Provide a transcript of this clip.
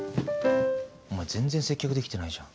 お前全然接客できてないじゃん。